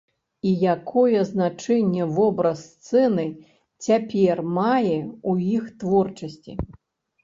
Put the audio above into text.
І якое значэнне вобраз сцены цяпер мае ў іх творчасці?